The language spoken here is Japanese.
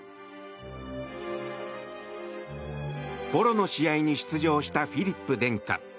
ポロの試合に出場したフィリップ殿下。